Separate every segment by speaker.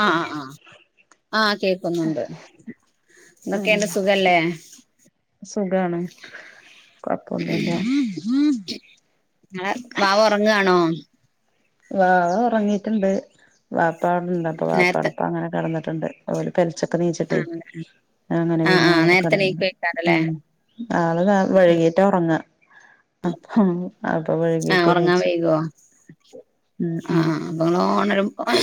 Speaker 1: ആഹ ആ് ആഹ ആഹ കേക്കുന്നുണ്ട് ഇൊക്കെ എന്റെ സുഖല്ലേ
Speaker 2: സുഖാണ് കപ്പന്നല്ല
Speaker 1: അെ വാവ ഉറങ്ങാണോ
Speaker 2: വാ ഉറങ്ങിട്ടുണ്ട് വാപ്പാടണ്ട് അപ്പ
Speaker 1: നേരത്തെ
Speaker 2: വാപ്പാടപ്പ അങ്ങനെ കിടന്നിട്ട് ണ്ട്ല പെലച്ചൊക്കെ നീച്ചിട്ടേ
Speaker 1: ആഹ്
Speaker 2: അങ്ങനെ
Speaker 1: ആഹ്
Speaker 2: പിന്നെ
Speaker 1: ആഹ്
Speaker 2: ആള
Speaker 1: നേരത്തെ
Speaker 2: കടന്ന
Speaker 1: എണീക്കുവെയ്ക്കാരല്ലേ
Speaker 2: ഉ ആള് വഴകീട്ട ഉറങ്ങ അപ്പൊ അപ്പൊ വഴുകിട്ട് നീയിച്ചു
Speaker 1: ആഹ അപ്പൊ ഓ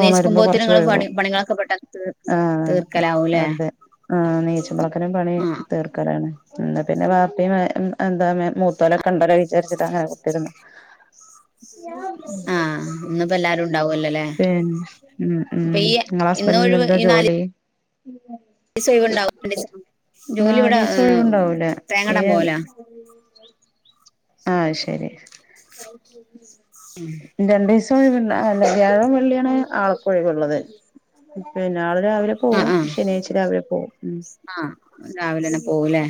Speaker 2: ഓണം വരുമ്പോ കൊറച്ച് കഴും
Speaker 1: പണികളൊക്കെ പെട്ടെന്ന് തീർ
Speaker 2: ആ
Speaker 1: തീർക്കലാവൂല്ലേ
Speaker 2: അതെ ആ തേച്ചമളക്കനും പണി
Speaker 1: ആഹ്
Speaker 2: തീർക്കലാണ് എ പിന്നെ ബാപ്പിയ എന്താ മൂത്തോലൊക്കെ കണ്ടല്ല വിചാരിച്ചിട്ട് അങ്ങനെ കുത്തിന്ന് [inaudible]
Speaker 1: ആഹ് ഒന്നപ്പോ എല്ലാരും ഉണ്ടാവൂല്ലോല്ലേ
Speaker 2: പിന്നെ ഉ ഉ ങ്ങള ഹസ്ബൻഡന്ന് എന്താ ജോലി
Speaker 1: വണ്ടാവും ജോലി ഇവിടെ
Speaker 2: നാലീസം ഒഴിവുണ്ടാവൂലേ
Speaker 1: തേങ്ങടാൻ പോല
Speaker 2: ആഹ ശരി രണ്ട ദിവസം വഴി പി വ്യാഴം വള്ളിയ ആക്കഴുള്ളത് ാവിലെ
Speaker 1: ആഹ്
Speaker 2: പോവും
Speaker 1: ആഹ്
Speaker 2: ശനിയാഴ്ച രാവിലെ പോവും
Speaker 1: ആഹ് രാവിലെന്നെ പോവൂല്ലേ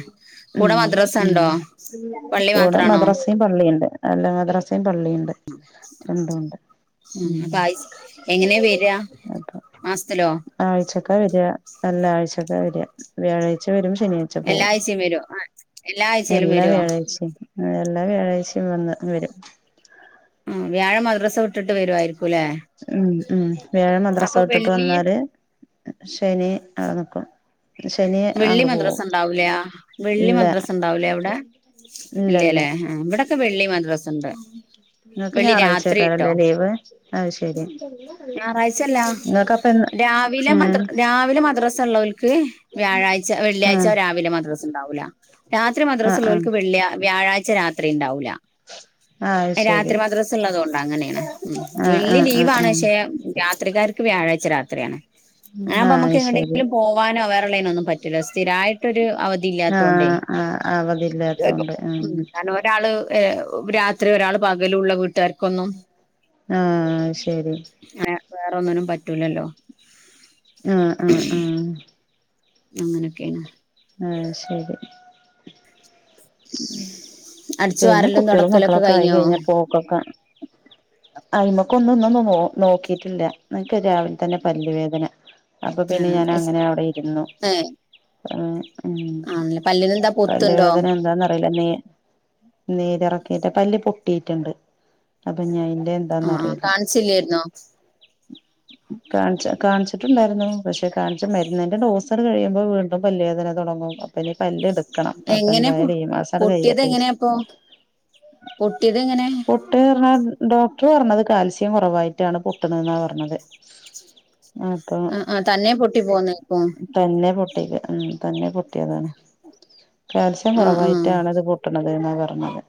Speaker 2: ഉ
Speaker 1: കൂടെ മദ്രസ ഉണ്ടോ
Speaker 2: ഉ
Speaker 1: പള്ളി
Speaker 2: കൂടെ
Speaker 1: മാത്രാണോ
Speaker 2: മദ്രാസയും പള്ളിയുണ്ട് അല്ല മദ്രാസയും പള്ളിയുണ്ട് രണ്ടുണ്ട്
Speaker 1: ആ
Speaker 2: ഉം
Speaker 1: [unintelligible] എങ്ങനെ വരാ
Speaker 2: അപ്പൊ
Speaker 1: മാസത്തിലോ
Speaker 2: ആഴ്ചക്കാ വരാ അല്ല ആഴ്ചക്കാ വരാ വ്യാഴായ്ച വരും ശനിയാഴ്ച്ച
Speaker 1: എല്ലാ
Speaker 2: പോകും
Speaker 1: ആഴ്ചയും വരോ ആ എല്ലാ ആഴ്ചയിലും
Speaker 2: എല്ലാം
Speaker 1: വരുവോ
Speaker 2: വ്യാഴായ്ചിം ആ എല്ലാ വ്യാഴായ്ചയും വന്ന് വരും
Speaker 1: ആ വ്യാഴംമദ്രസ വിട്ടിട്ട് വരുവായിരിക്കുംല്ലെ
Speaker 2: ഉം ഉം വ്യാഴംമദ്രസ വിട്ടിട്ട് വന്നാല് ശനി അവ്ടെ നിക്കും ശനി
Speaker 1: വെള്ളി
Speaker 2: അങ്ങട്
Speaker 1: മദ്രസ
Speaker 2: പോവും
Speaker 1: ഉണ്ടാവൂലാ വെള്ളി
Speaker 2: ഇല്ല
Speaker 1: മദ്രസ ഉണ്ടാവൂലേ അവ്ടെ ഇല്ലല്ലേ ആഹ ബ്ടെക്കെ വെള്ളി മദ്ര
Speaker 2: നിങ്ങക്ക്
Speaker 1: ട്ടോ
Speaker 2: ഞായറാഴ്ച്ചക്കാരല്ലേ ലീവ് അത് ശരി
Speaker 1: ഞായറാഴ്ചല്ല
Speaker 2: ഇങ്ങക്കപ്പ എന്ന്
Speaker 1: രാവിലെ
Speaker 2: ഉം
Speaker 1: മദ്ര രാവിലെ മദ്രസ ഉള്ളോ ൽക്ക് വ്യാഴാഴ്ച
Speaker 2: ആഹ്
Speaker 1: വെള്ളിയാഴ്ച രാവിലെ മദ്രസ ഉണ്ടാവൂല്ല രാത്രി മദ്രസ
Speaker 2: ആഹ് ആഹ്
Speaker 1: ഉള്ളോൽക്ക് വെളള്യാ വ്യാഴാഴ് ച രാത്രി ഉണ്ടാവൂല്ല
Speaker 2: ആഹ് അത് ശരി
Speaker 1: രാത്രി മദ്രസ ഉള്ളതോണ്ട് അങ്ങനെയാണ് ഉം
Speaker 2: ആഹ്
Speaker 1: വെള്ളി
Speaker 2: ആഹ് ആഹ്
Speaker 1: ലീവാണ്
Speaker 2: ആഹ്
Speaker 1: പക്ഷെ രാത്രികാർക്ക് വ്യാഴാഴ്ച രാ അങ്ങനപ്പ
Speaker 2: ആഹ്
Speaker 1: നമുക്ക്
Speaker 2: അത് ശരി
Speaker 1: എങ്ങട്ടെങ്കിലും പോവാനോ വേറള്ളേനോ ഒന്നും പറ്റൂല്ല സ്ഥിരായിട്ടൊരു അവധിയില്ലാത്തൊണ്ടേ
Speaker 2: ആഹ് ആഹ് അവധിയില്ലാത്തോണ്ട് ആഹ്
Speaker 1: [unintelligible] കാരണം ഒരാള് എ ഒ രാത്രി ഒരാള് പകലുള്ള വീട്ടാർക്ക്
Speaker 2: ആഹ ശരി
Speaker 1: വേറൊന്നിനും പറ്റൂലല്ലോ
Speaker 2: ആഹ ആഹ ആഹ
Speaker 1: അങ്ങനൊക്കേണ്
Speaker 2: ആഹ ശരി
Speaker 1: അടിച്ചു
Speaker 2: പിന്നെ
Speaker 1: വാരലും
Speaker 2: കുട്ട്യളും
Speaker 1: തുടക്കലൊക്കെ
Speaker 2: മക്കളൊക്കെ ആയി
Speaker 1: കഴിഞ്ഞോ
Speaker 2: കഴിഞ്ഞാ പോക്കൊക്കെ അയി മക്കൊന്നും ഒന്നു ന്ന് നോ നോക്കിട്ടില്ല നിക്ക് രാവിലെ തന്നെ പല്ല് വേദന അപ്പൊ
Speaker 1: ആ
Speaker 2: പിന്നെ ഞാൻ
Speaker 1: എസ്-
Speaker 2: അങ്ങനെ അവിടെ ഇരുന്നു
Speaker 1: ഏ
Speaker 2: ആ ഉം
Speaker 1: ആണല്ലേ പല്ലിന് എന്താ
Speaker 2: പല്ല്
Speaker 1: പൊത്തുണ്ടോ
Speaker 2: വേദന എന്താന്നറിലാ നീ നീരറക്കായിട്ട് പല്ല് പൊട്ടീറ്റ്ണ്ട് അപ്പൊഞയ്
Speaker 1: ആഹ് ആ കാണിച്ചില്ലേര്ന്നോ
Speaker 2: കാണ്ച്ച കാണ്ച്ചിട്ടുണ്ടായിരുന്നു പക്ഷെ കാണ്ച്ച മരുന്നിന്റെ ഡോസാണ്ട് കഴിയുമ്പോൾ വീണ്ടും പല്ല് വേദന തുടങ്ങും അപ്പനി പല്ല് എടുക്കണം അപ്പ
Speaker 1: എങ്ങനെ
Speaker 2: എന്തായാലും
Speaker 1: പൊ-
Speaker 2: ഈ മാസാട്
Speaker 1: പൊട്ടിയത്
Speaker 2: കഴിയട്ടേച്ച്
Speaker 1: [unintelligible] പൊട്ടിയത് എങ്ങനെ
Speaker 2: പൊട്ട് പറഞ്ഞാ ഡോക്ടർ പറഞ്ഞത് കാൽസ്യം കുറവായിട്ടാണ് പൊട്ട്ണെന്നാ പറഞ്ഞത് അപ്പം
Speaker 1: ആ ആ, തന്നെ പൊട്ടി പോന്നേക്കും
Speaker 2: തന്നെ പൊ ട്ടീക്ക. ഉം തന്നെ പൊട്ടിയതാണ്. കാൽസ്യം
Speaker 1: ആഹ് ആഹ്
Speaker 2: കുറവായിട്ടാണ് ഇത് പൊട്ട്ണ ത് ന്നാ പറഞ്ഞത്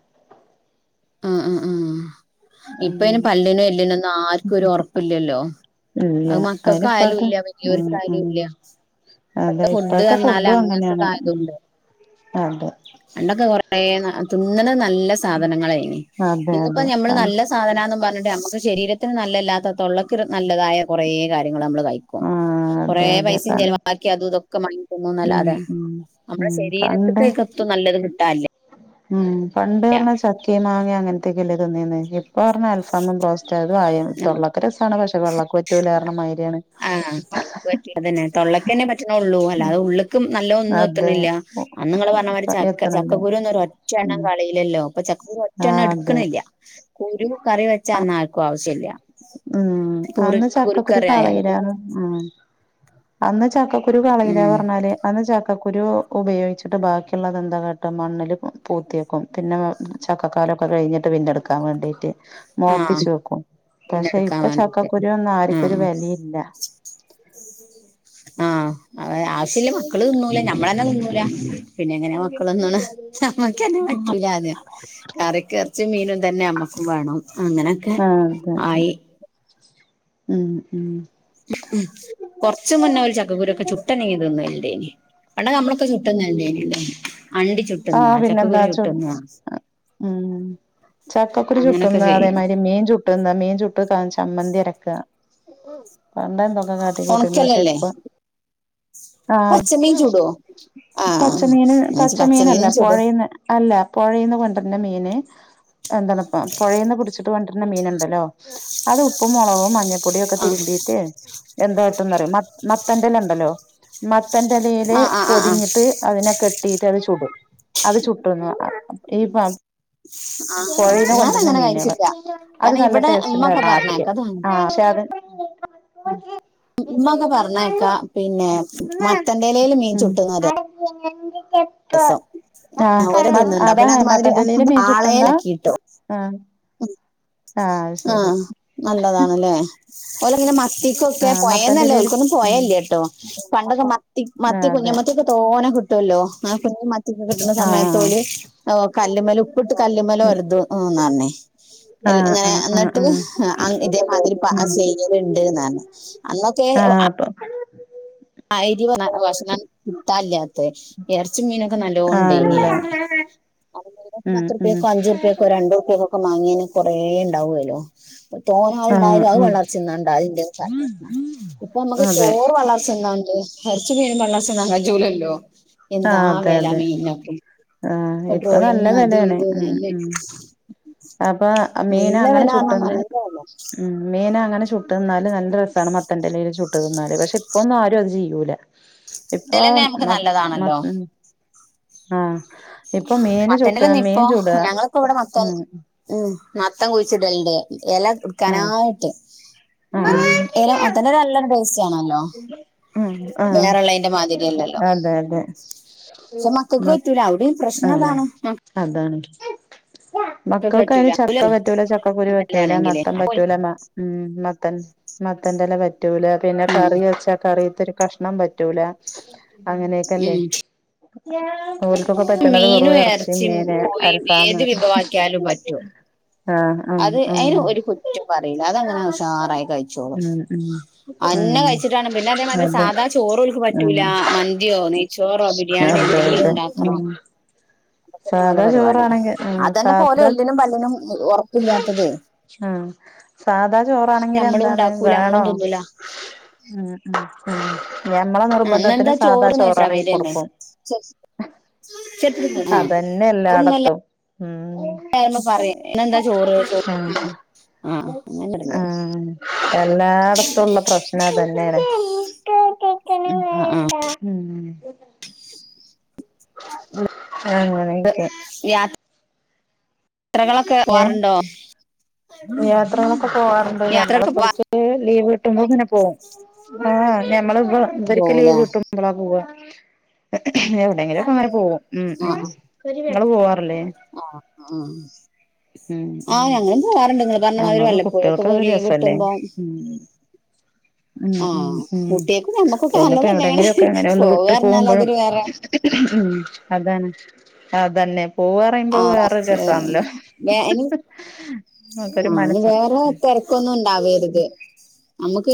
Speaker 1: ആഹ് ആഹ് ആഹ്
Speaker 2: ഉം
Speaker 1: ഇപ്പൊ അയ്ന് പല്ലിന് എല്ലിനൊന്നു ആർക്കും ഒരു ഒർപ്പില്ലല്ലോ
Speaker 2: ഇല്ല
Speaker 1: അത്
Speaker 2: അയിന്
Speaker 1: മക്കൾക്കായാലും
Speaker 2: ഇപ്പഴത്തെ
Speaker 1: ഇല്ല
Speaker 2: ഉം
Speaker 1: വലിയോർക്കായാലും
Speaker 2: ഉം
Speaker 1: ഇല്ല
Speaker 2: അതെ
Speaker 1: ഇപ്പത്തെ ഫുഡ്
Speaker 2: ഇപ്പോഴത്തെ
Speaker 1: പറഞ്ഞാല്
Speaker 2: ഫുഡും
Speaker 1: അങ്ങനത്തൊക്കെ
Speaker 2: അങ്ങനെയാണ് ഉം
Speaker 1: ആയതൊണ്ട്
Speaker 2: അതെ
Speaker 1: പണ്ടൊക്കെ കൊറേ ന തിന്ന് ണ നല്ല സാധനങ്ങളേനി
Speaker 2: അതെ
Speaker 1: ഇന്ന്പ്പോ
Speaker 2: അതെ
Speaker 1: ഞമ്മള്
Speaker 2: കൺ
Speaker 1: നല്ല സാധന ന്നുംപറഞ്ഞിട്ട് നമുക്ക് ശരീരത്തിന് നല്ലല്ലാത്ത തൊള്ളക്ക് നല്ലതായ കുറേ കാര്യ- - ങ്ങള് നമ്മള് കഴിക്കും
Speaker 2: ആഹ്
Speaker 1: കൊറേ
Speaker 2: അതെ അതെ
Speaker 1: പൈസിം
Speaker 2: കൺ
Speaker 1: ചെലവാക്കി അതും ഇതൊക്കെ വാങ്ങി
Speaker 2: ഉം
Speaker 1: തിന്നുംന്നല്ലാതെ
Speaker 2: ഉം
Speaker 1: നമ്മളെ
Speaker 2: ഉം
Speaker 1: ശരീരത്ത്ക്ക്
Speaker 2: പണ്ട്
Speaker 1: അയ്ക്കെത്തും നല്ലത് കിട്ടാല്യ
Speaker 2: ഉം പണ്ട് പർഞ്ഞാ ചക്കിം മാങ്ങിം അങ്ങനത്തൊക്കെല്ലേ തിന്നീന്ന് ഇപ്പ പറഞ്ഞ അൽഫാമും ബ്രോസ്റ്റ് അ [unintelligible] തൊള്ളക്ക് രസാണ് പക്ഷെ പള്ളക്ക് പറ്റൂല്ലാർഞ്ഞമായിരിയാണ്
Speaker 1: ആഹ് പള്ളക്ക് പറ്റി അതന്നെ തൊള്ളക്കന്നെ പ റ്റ്ണൊള്ളൂ അല്ലാതെ ഉള്ള്ക്ക് നല്ല ഒന്നും
Speaker 2: അതെ
Speaker 1: എത്ത്ണില്ല അന്ന് നിങ്ങള് പറഞ്ഞ മാതിരി ചക്ക
Speaker 2: എത്തണല്ലേ
Speaker 1: ചക്കകുരൊന്നും ഒരൊറ്റ ണ്ണം
Speaker 2: ഉം
Speaker 1: കളീലല്ലോ ഇപ്പൊ ചക്കക്കുരു ഒറ്റ എണ്ണം
Speaker 2: ആഹ് അതെ
Speaker 1: എടുക്കണില്ല കുരു കറി വെച്ചാന്നാ ആർക്കും ആവശ്യം ഇല്ല
Speaker 2: ഉം അന്ന് ചക്കക്കുരു
Speaker 1: ആയാല്
Speaker 2: കളയിലാന്ന് ഉ അന്ന് ചക്കക്കു രു കളീല
Speaker 1: ഉം
Speaker 2: പറഞ്ഞാല് അന്ന് ച ക്കക്കുരു ഉപയോഗിച്ചിട്ട് ബാക്കിയുള്ളത് എന്താ കാട്ട മണ്ണിൽ പൂത്യേക്കും പിന്നെ ചക്കക്കാ ലൊക്കെ പിന്നെടുക്കാൻ വേണ്ടിട്ട്
Speaker 1: ആഹ്
Speaker 2: മോപ്പിച്ചു വെക്കും
Speaker 1: പിന്നെ
Speaker 2: പക്ഷെ
Speaker 1: എടുക്കാൻ
Speaker 2: ഇപ്പൊ
Speaker 1: വേണ്ടിട്ട്
Speaker 2: ചക്കക്കുരു നന്നും ആർക്കു ഒരു
Speaker 1: ആഹ്
Speaker 2: വെലീല്ല
Speaker 1: ആഹ് അതെ ആവശ്യല്ല മക്കള് തിന്നൂല ഞമ്മളന്നെ തിന്നൂല പിന്നെ എങ്ങനെ മക്കള് ന്ന്ണ് ഞമ്മക്കന്നെ പറ്റൂലാന്ന് കറിക്ക് എറച്ചിം മീനു തന്നെ ഞമ്മക്കും വേണം അങ്ങനെയൊക്കെ
Speaker 2: ആഹ് അതെ അതെ
Speaker 1: ആയി
Speaker 2: ഉം ഉം
Speaker 1: ഉ ഉ കൊറച്ച് മുന്നേ ഓല് ചക്കക്കുരൊക്കെ ചുട്ടന്നെങ്കിലും തിന്നൽ ഇണ്ടേനി പണ്ടൊക്കെ നമ്മളൊക്കെ ചുട്ട് തിന്നൽ ണ്ടായീന്യല്ലോ
Speaker 2: ആഹ് പിന്നെന്താ ച്ചു മ്മ് ചക്കക്കുരു
Speaker 1: അങ്ങനൊക്കെ
Speaker 2: ചുട്ടുന്നാ
Speaker 1: ചെയ്യും
Speaker 2: അതേമാതിരി മീൻ ചുട്ടുന്ന മീൻ ചുട്ട് ചമ്മന്തി അരക്കാ പണ്ട് എന്തൊക്കെ കാട്ടിക്കൂട്ടിന്ന് പക്ഷെ
Speaker 1: ഉണക്കലല്ലേ
Speaker 2: ഇപ്പൊ ആഹ്
Speaker 1: പച്ചമീൻ ചുടോ ആഹ്
Speaker 2: പച്ചമീന്
Speaker 1: ഞാൻ വിചാരിച്ചു
Speaker 2: പച്ച മീനല്ല
Speaker 1: പച്ചമീനും ചുടും
Speaker 2: പൊഴെന്ന് അല്ല പൊഴേന്ന് കൊണ്ടര്ന്നെ മീന് എന്തണ് പ്പം പുഴയിന്ന് പുട്ച്ച്ട്ട് കൊണ്ടര്ന മീനുണ്ടല്ലോ അത് ഉപ്പും മുളകും മഞ്ഞ പൊടിയൊക്കെ
Speaker 1: ആഹ്
Speaker 2: തിരുമ്പീട്ട് എന്താട്ടുന്നും അറിയോ മത് മത്തൻ്റലണ്ടല്ലോ മത് ത്തൻ്റെലെല്
Speaker 1: ആഹ് ആഹ് ആഹ് ആഹ്
Speaker 2: പൊതിഞ്ഞിട്ട് അതിനെകെ ട്ട്യത് ചുടും അത് ചുട്ട് ന്നും ഈ [unintelligible]
Speaker 1: ആഹ്
Speaker 2: പൊഴേന്ന്
Speaker 1: ഞാൻ
Speaker 2: കൊണ്ടര്ണ
Speaker 1: അങ്ങനെ
Speaker 2: മീനേള്
Speaker 1: കഴിച്ചില്ല
Speaker 2: അത്
Speaker 1: കാരണം
Speaker 2: നല്ല
Speaker 1: ഇവിടെ ഉമ്മൊക്കെ
Speaker 2: ടേസ്റ്റ്ണ്ടായിരുന്നു ആദ്യക്ക്
Speaker 1: പറഞ്ഞേക്ക അത്
Speaker 2: ആ ഷെ [unintelligible]
Speaker 1: ഉമ്മൊക്കെ പറഞ്ഞേക്ക പിന്നെ മത്തന്റെലേല് മീൻ
Speaker 2: ട [inaudible]
Speaker 1: ചുട്ടുന്നവര്
Speaker 2: മ്മ് ആഹ്
Speaker 1: ഓര്
Speaker 2: മത്
Speaker 1: തിന്നുണ്ടാവും പിന്നെ
Speaker 2: അതാണ്
Speaker 1: അതുമാതിരി
Speaker 2: മത്തൻന്റെ ലേൽ
Speaker 1: അത്
Speaker 2: മൻെ ചുട്ട്ന്ന
Speaker 1: പാളയിലാക്കിട്ടോ
Speaker 2: ആ
Speaker 1: ആഹ് നല്ലതാണ് ല്ലേ ഓലെങ്ങനെ മത്തിക്കൊക്കെ
Speaker 2: ആഹ്
Speaker 1: പൊയെന്നല്ല
Speaker 2: മത്തന്റെലേല്
Speaker 1: ഓൽക്കൊന്നും
Speaker 2: ഉം
Speaker 1: പോയല്യ ട്ടോ പണ്ടൊക്കെ മ മത്തി മത്തി
Speaker 2: ആഹ് അതെ
Speaker 1: കുഞ്ഞ മത്തിയൊക്കെ തോനെ കിട്ടല്ലോ ആ കുഞ്ഞമത് കിട്ടുന്ന
Speaker 2: ആഹ്
Speaker 1: സമയത്തോല് ഇപ്പട്ട് കല്ലി്മല ഉപ്പിട്ട് കല്ലുമല ഒരുത്ന്ന പറഞ്ഞേ
Speaker 2: ആഹ്
Speaker 1: ഇങ്ങനെ
Speaker 2: ആഹ് ആഹ്
Speaker 1: എന്നിട്ട്
Speaker 2: ആഹ്
Speaker 1: ഇതേമാതിരി ചെയ്യലണ്ട്ന്ന്ഞ്ഞ അർഞ്ഞെ
Speaker 2: ആഹ അപ്പൊ
Speaker 1: ആഹ്രി വന്ന [unintelligible] കിട്ടല്ലാത്ത ഇറച്ചി മീനൊക്കെ നല്ലോണ്ടേനി
Speaker 2: ആണല്ലേ
Speaker 1: അറിഞ്ഞെ അ [unintelligible]
Speaker 2: ഉം
Speaker 1: പത്ത്ർ
Speaker 2: ഉം
Speaker 1: പേക്കോ അഞ്ചുറുപേക്കോ രണ്ടുറുപക്കൊക്കെ മങ്ങിയെന്നെ കൊറേ ഉണ്ടാവുമല്ലോ തോന്ന
Speaker 2: ആഹ്
Speaker 1: ഉണ്ടായാലും അത്
Speaker 2: ഉം
Speaker 1: പള്ളർച് ണ്ടാവൽ ഡ് അറിഞ്ഞു മ്മ ഇപ്പൊ നമുക്ക്
Speaker 2: അതെ
Speaker 1: ചോറ് പള്ളർ ന്താണ്ട് ഹരിച്ച് മീൻ പറണ ചാ ജൂലല്ലോ എന്താ വല മീനപ്പും
Speaker 2: ആഹ ഇപ്പൊ നല്ല വിലയാണ് ഉ ഉ അപ്പൊ മീന
Speaker 1: നല്ല
Speaker 2: അങ്ങനെ
Speaker 1: വെല പറഞ്ഞാ
Speaker 2: ചുട്ടന്ന്
Speaker 1: നല്ല വെല
Speaker 2: ഉ മീന അങ്ങനെ ചുട്ട്ന്നാല് നല്ല രസമാണ് മത്തന്റെ ഇയിൽ ചുട്ട് നിന്നാല് പക്ഷെ ഇപ്പൊന്നും ആരും അത് ചെയ്യൂല ഇപ്പൊ
Speaker 1: ത്തലന്നെ നമുക്ക്
Speaker 2: മ മ
Speaker 1: നല്ലതാണല്ലോ
Speaker 2: ആഹ
Speaker 1: മത്തൻന്റെന്ന ഇപ്പൊ ഞങ്ങൊക്കെ ഇവിടെ മത്തം
Speaker 2: ഉം
Speaker 1: ഉ മത്തം കുഴിച്ചിടലണ്ട് ഇല
Speaker 2: ആഹ്
Speaker 1: ഉടുക്കാനായിട്ട്
Speaker 2: ഉം
Speaker 1: അനെ ഇല അതന്നെ നല്ലരു ടേസ്റ്റ്
Speaker 2: ആഹ്
Speaker 1: വേറെ ള്ളേന്റെ മാതിരി അല്ലല്ലോ
Speaker 2: അതെ അതെ
Speaker 1: ശേ മക്ക നക്ക പറ്റൂല അവിടെയും പ്രശ്നംതാണ്
Speaker 2: ആ മക്കൾക്ക് അതിന് ചക്ക പറ്റൂല ചക്കക്കുരു പറ്റൂലേ
Speaker 1: അതല്ലാണെങ്കില്
Speaker 2: മത്തൻ
Speaker 1: അപ്പോൾ
Speaker 2: പറ്റൂല ഉ മത്തൻ മത്തൻന്റെല പറ്റൂല പിന്നെ
Speaker 1: ഉം
Speaker 2: കറി വെച്ചാ കറിീത്തൊ ഒരു കഷ്ണം പ റ്റല അങ്ങനെയൊക്കെല്ലേ
Speaker 1: ഉം
Speaker 2: ഓൽക്കൊക്കെ പറ്റണത്
Speaker 1: മീനും
Speaker 2: വെറും ഇറച്ചി
Speaker 1: ഇറച്ചും
Speaker 2: മീന്
Speaker 1: കോയിം
Speaker 2: അൽഫാം
Speaker 1: ഏത് വിഭവാക്കിയാലും പറ്റോ
Speaker 2: ആഹ് ആഹ്
Speaker 1: അത്
Speaker 2: ആഹ്
Speaker 1: അതിന്
Speaker 2: ഉം
Speaker 1: ഒരു കുറ്റം പറയില്ല അതങ്ങനെ ആസാറായി കഴിച്ചോളും
Speaker 2: ഉം
Speaker 1: എണ്ണ
Speaker 2: ഉം
Speaker 1: കഴിച്ചിട്ടാണ് പിന്നെ അതേമാറ്റ
Speaker 2: അതെ
Speaker 1: സാധാ ചോറ് ഒക്കക്ക് പറ്റൂല
Speaker 2: ആഹ്
Speaker 1: മന്തിയോ നെയ്ച്ചോറോ ബിരിയാണിയോ എന്തെങ്കിലും ഉണ്ടാക്കണം
Speaker 2: [inaudible]
Speaker 1: അതന്നെ ഓലെ
Speaker 2: സാദാ
Speaker 1: പരിപാടി
Speaker 2: ചോറാണെങ്കിൽ ഉ
Speaker 1: അതന്നെ പോലെ
Speaker 2: സാദാ
Speaker 1: എല്ലിനും പല്ലിനും ഉറപ്പില്ലാത്തതേ
Speaker 2: ആഹ സാധാ ചോറാണെങ്കിൽ
Speaker 1: നമ്മളും
Speaker 2: എന്താണ്
Speaker 1: ഉണ്ടാക്കൂല
Speaker 2: വേണോ
Speaker 1: നമ്മളും തിന്നൂല
Speaker 2: ഉം ഉ ഉം ഞമ്മളെ
Speaker 1: ആ
Speaker 2: നിർബന്ധത്തിന്
Speaker 1: ഇന്നെന്താ
Speaker 2: സാധാ
Speaker 1: ചോറ് ചോദിച്ചാ അവര്
Speaker 2: ചോറാണെങ്ക
Speaker 1: തന്നെ
Speaker 2: കൊടുക്കും
Speaker 1: ചെറുപ്പം
Speaker 2: അതന്നെ എല്ലാടത്തും ഉം
Speaker 1: മ്മ പറയെന്താ ചോറ് ചോറ്
Speaker 2: ആ എല്ലായിടത്തുംുള്ള പ്രശ്നം അതന്നെയാണ് ഉ
Speaker 1: ആഹ ആ ആഹ
Speaker 2: അങ്ങനെയൊക്കെ
Speaker 1: യാത്ര ചത്രകളൊക്കെ
Speaker 2: ഏഹ്
Speaker 1: പോകറുണ്ടോ
Speaker 2: യാത്രകളൊക്കെ പോവാാറുണ്ട് നഞമ്മളെ
Speaker 1: യാത്രയൊക്കെ പോവാ
Speaker 2: പറച്ച് ലീവ് കിട്ടുമ്പോൾ ഇങ്ങനെ പോകും ആഹ് ഞമ്മൾ ഇ ഇവർക്ക്
Speaker 1: പോവൂലേ
Speaker 2: ലീവ് കിട്ടുമ്പോളാ പോവ എവിടെങ്കിലുംൊക്കെ അങ്ങനെ പോകും ഉ പോ
Speaker 1: ആഹ ആഹ
Speaker 2: ഉ ഉ
Speaker 1: പറഞ്ഞ
Speaker 2: ഉ
Speaker 1: മാതിരി
Speaker 2: നമ്മക്ക്
Speaker 1: വല്ലപ്പോഴൊക്കെ
Speaker 2: കുട്ടികൾക്ക
Speaker 1: പോയി
Speaker 2: അത്
Speaker 1: ലീവ്
Speaker 2: രസല്ലേ
Speaker 1: കിട്ടുമ്പോ
Speaker 2: ഉം ഉ
Speaker 1: ആഹ്
Speaker 2: ഉം
Speaker 1: കുട്ടിയേക്കും ഞമ്മക്കൊക്കെ
Speaker 2: പിന്നെപ്പോ എവിടെ
Speaker 1: നല്ലതന്നേണ്
Speaker 2: എങ്ങനെയൊക്കെ അങ്ങനെ ഒന്ന് വിട്ട്
Speaker 1: പോവാർഞ്ഞാൽ
Speaker 2: പോകുമ്പോഴും
Speaker 1: അതൊരു വേറെ
Speaker 2: ഉ അതന്നെ അതന്നെ പോവാ പറയുമ്പോ വേറെൊ രസണല്ലോ
Speaker 1: വ എന ആ
Speaker 2: മനസ്സ്
Speaker 1: വേറെ തിരക്കൊന്നും ഇണ്ടാവരുത് നമുക്ക്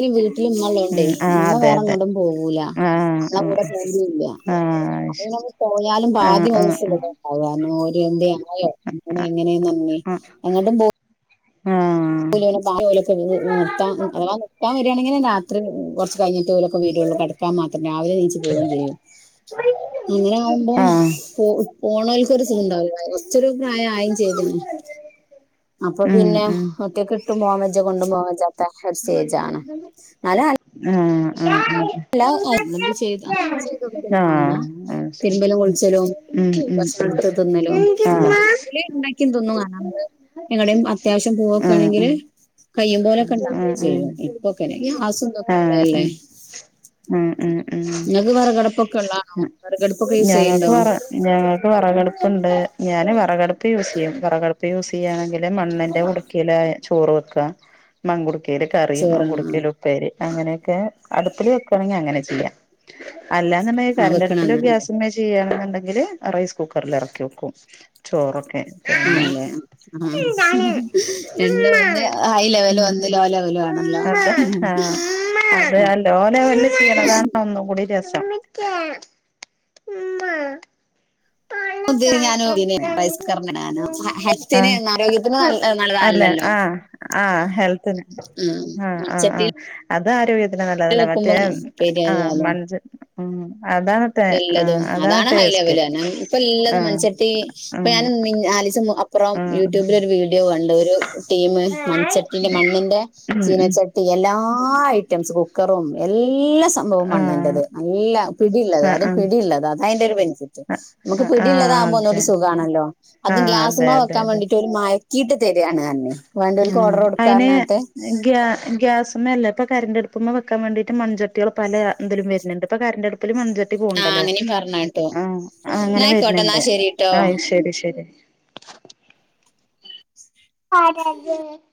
Speaker 1: ഇന്നല്ലോണ്ടേ
Speaker 2: ഉം ആഹ്
Speaker 1: ഇന്ന
Speaker 2: അതെ അതെ
Speaker 1: വേറെങ്ങോട്ടും പോകൂല
Speaker 2: ആഹ്
Speaker 1: നമ്മള കൂടെ
Speaker 2: ആഹ്
Speaker 1: പോവല്ല
Speaker 2: ആഹ് ശ്
Speaker 1: പോയാലും
Speaker 2: ആഹ്
Speaker 1: ആാദ്യ
Speaker 2: ആഹ്
Speaker 1: വയസ് ഇവിടെണ്ടാവാരണം എന്ത ആയോ അങ്ങനെ എങ്ങനെയ നന്ദി
Speaker 2: ആഹ്
Speaker 1: എങ്ങോട്ടും പോ
Speaker 2: ആഹ്
Speaker 1: [unintelligible] നിർത്താ അഥവാ നിക്കാൻ വരാണെങ്കില് രാ ത്രി കൊറച്ച് കഴിഞ്ഞിട്ട് ഓലൊക്കെ വരോള്ളു കടക്കാൻ മാത്രം രാവിലെ നീച്ച് പോവും ചെയ്യും അങ്ങനാവുമ്പോ
Speaker 2: ആഹ്
Speaker 1: പോ പോണോല്ക്കൊരു സൂഖണ്ടാവൂല്ല കൊച്ചൊരു പ്രായായും ചെയ്ത്ണ് അപ്പൊ
Speaker 2: ഉം
Speaker 1: പിന്നെ
Speaker 2: ഉം
Speaker 1: യി കിട്ടും [unintelligible] കൊണ്ടും പോവാവേജാത്ത ഒരു സ്റ്റേജാണ് ന്നാലും
Speaker 2: ആഹ് ആഹ്
Speaker 1: അല്ല [unintelligible] അങ്ങനെ
Speaker 2: ആഹ്
Speaker 1: ചെയ്തൊട്ക്കൊന്നും മാണ്ട
Speaker 2: ആഹ് അത് ശരി
Speaker 1: തിര്മ്പലും കുള്ച്ചലും
Speaker 2: ഉം ഉം ഉം ഉം ആഹ് ആഹ് ആഹ് ആഹ്
Speaker 1: ഭക്ഷണട്ത്ത് തിന്നലും
Speaker 2: ആഹ്
Speaker 1: [unintelligible] അല്ലങ്കില് ഇണ്ടാക്കി തിന്നും [unintelligible] എങ്ങടെം അത്യാവശ്യം പോവൊക്കണെങ്കിൽ കയ്യും പോലൊക്കെണ്ടാക്കും ചെയ്യും ഇപ്പൊക്കെണേ ഗ്യാസുംതൊക്കെള്ളതല്ലേ
Speaker 2: ഉം ഉം ഉം
Speaker 1: വിറകടുപ്പൊക്കെ ഉള്ളതാണോ
Speaker 2: ഞ
Speaker 1: വിറകടുപ്പൊക്കെ യൂസ്
Speaker 2: ഞങ്ങക്ക്
Speaker 1: ചെയ്യണ്ടോ
Speaker 2: വറ ഞങ്ങക്ക് വറകട്പ്പ്ണ്ട് ഞാന് വ വറകട്പ്പ് യൂസേയ്യും വേറകടുപ്പ് യൂസേയ്യാണെങ്കില് മണ്ണിന്റെ കുട്ക്കേല ചോറ് വെക്ക മൺങ്കുട്ക്കേല് കറിം
Speaker 1: ചോറ് ആ
Speaker 2: മങ്കുട്ക്കേല് ഉപ്പേരി അങ്ങനെയൊക്കെ അട്പ്പില് വെക്കാണെങ്കി അങ്ങനെ ചെയ്യാ അല്ലാന്ന്ണ്ടേങ്കി
Speaker 1: ആ
Speaker 2: കറണ്ടട്പ്പിലോ
Speaker 1: വെക്കണന്ന്
Speaker 2: ഗ്യാസ്മ്മേ ചെയ്യാണ് ണ്ടെങ്കിൽ റൈസ് കുക്കറിൽ എറക്കി വെക്കും ചോറോ
Speaker 1: ആണ്ല്ലേ ആ രണ്ട് ഒന്ന് ഹൈലെവൽ
Speaker 2: ഉം ഉം അതെ ആ അത് [unintelligible] ഒന്നുകൂടിം രസം
Speaker 1: ഇത് ഞാനും പിന്നെ റൈസ് കുക്കറിനാണ്
Speaker 2: ആ
Speaker 1: ഹെൽത്തിന് ആരോഗ്യത്തിന് നല്ല
Speaker 2: അല്ല
Speaker 1: നല്ലതല്ലല്ലോ
Speaker 2: ആ ആ ഹെൽത്തിന് ആ ആ ആ
Speaker 1: മൺചട്ടിയില്
Speaker 2: അത് ആരോഗ്യ ത്തിന് നല്ലതല്ലേ മറ്റേ
Speaker 1: വെക്കുമ്പോ ഉപ്പേരി
Speaker 2: ആ
Speaker 1: ആയാലും
Speaker 2: മൺച്ച
Speaker 1: എല്ലതും അതാണ്
Speaker 2: ടേസ്റ്റ്
Speaker 1: ഹൈലെവല് ഞ ഇപ്പല്ലതും
Speaker 2: ആഹ്
Speaker 1: മൺച്ചട്ടി ഇപ്പ ഞാൻ
Speaker 2: ആഹ്
Speaker 1: മി നാലീസം മു അ പ്പുറം
Speaker 2: ആഹ്
Speaker 1: യൂട്യൂബില് ഒരു വീഡിയോ കണ്ട് ഒരു ടീമ് മൺചട്ടിന്റെ മണ്ണിന്റെ
Speaker 2: ഉം ഉം
Speaker 1: ചീനച്ചട്ടി എല്ലാ എല്ല ഐറ്റമ്സും കുക്കറും എല്ല സംഭവും
Speaker 2: ആഹ്
Speaker 1: മണ്ണിന്റെത് നല്ല പിടി- ള്ള
Speaker 2: ആഹ്
Speaker 1: അതും
Speaker 2: ആഹ്
Speaker 1: പിടിള്ളത് അതാ അയിന്റോരു ബെനിഫിറ്റ് നമുക്ക്
Speaker 2: ആഹ് ആഹ്
Speaker 1: പിടിള്ളതാവുമ്പോ
Speaker 2: അതെ
Speaker 1: ഒന്നൂടിം സുഖാണല്ലോ അതും
Speaker 2: ആഹ്
Speaker 1: ഗ്യാ
Speaker 2: അതെ
Speaker 1: ഗ്യാസ്മേ
Speaker 2: അതെ
Speaker 1: വെക്കാൻ
Speaker 2: അതെ
Speaker 1: വേണ്ടിട്ട് ഓല് മയക്കീട്ട് തേരാണ്റഞ്ഞ്
Speaker 2: ഉം അയിന് ഗ്യ ഗ്യാസ് മ്മേ അല്ല ഇപ്പൊ കറന്റട്പ്പ്മ്മേ വെക്കാൻ വേണ്ടീയിട്ട് മൺചട്ട്യാള് പലെ ഇതിലും വര്ന്ണ്ട്. ഇപ്പൊ കരണ്ടടുപ്പിലും മൺച ട്ടി
Speaker 1: ആ
Speaker 2: പോവ്ണ്ടല്ലോ
Speaker 1: അങ്ങനെയും പറഞ്ഞ കേട്ടോ
Speaker 2: ആ അങ്ങനെ
Speaker 1: എന്നായിക്കോട്ടെ എന്നാ
Speaker 2: വര്ന്ണ്ട്
Speaker 1: ശരി കേട്ടോ
Speaker 2: ആ ശരി ശരി [unintelligible]